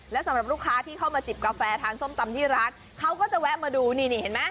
และสำหรับลูกค้าที่เข้ามาจิบกาแฟทานส้มตำที่ร้านเขาก็จะแวะมาดูนี่นี่เห็นไหม